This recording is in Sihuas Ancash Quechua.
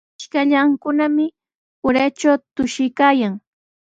Ishkallankunami uratraw tushuykaayan.